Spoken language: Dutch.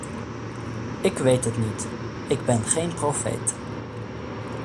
Ik weet het niet, ik ben geen profeet.